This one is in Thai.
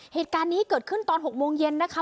เหตุการณ์นี้เกิดขึ้นตอน๖โมงเย็นนะคะ